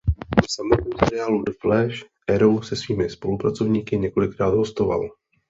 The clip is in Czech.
V samotném seriálu "The Flash" Arrow se svými spolupracovníky několikrát hostoval.